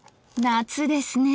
夏ですね。